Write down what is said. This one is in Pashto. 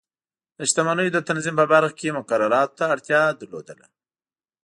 د شتمنیو د تنظیم په برخه کې مقرراتو ته اړتیا لرله.